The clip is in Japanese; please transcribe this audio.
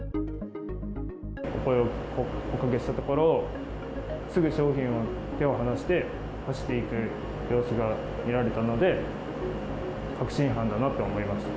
声をおかけしたところ、すぐ商品から手を離して、走っていく様子が見られたので、確信犯だなと思いました。